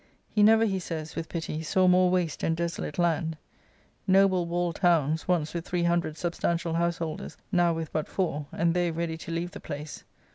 He never, he says, with pity, " saw more waste and desolate land." Noble walled towns, once with three hundred substantial house holders, now with but four, and they ready to leave the place.